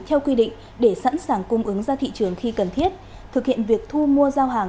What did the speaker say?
theo quy định để sẵn sàng cung ứng ra thị trường khi cần thiết thực hiện việc thu mua giao hàng